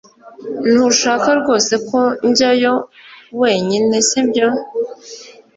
Ntushaka rwose ko njyayo wenyine sibyo